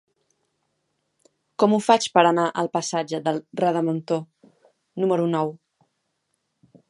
Com ho faig per anar al passatge del Redemptor número nou?